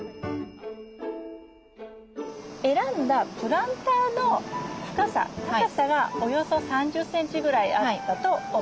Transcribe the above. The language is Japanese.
選んだプランターの深さ高さがおよそ３０センチぐらいあったと思います。